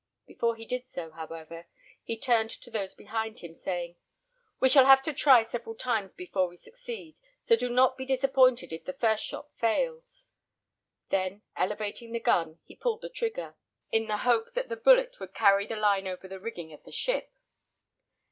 Before he did so, however, he turned to those behind him, saying, "We shall have to try several times before we succeed, so do not be disappointed if the first shot fails." Then elevating the gun, he pulled the trigger; in the hope that the bullet would carry the line over the rigging of the ship.